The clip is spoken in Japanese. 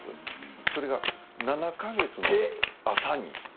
それが７か月の朝に。